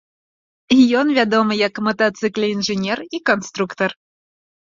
Ён вядомы як матацыкле інжынер і канструктар.